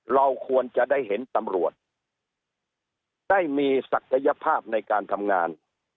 เราควรจะได้เห็นตำรวจได้มีศักยภาพในการทำงาน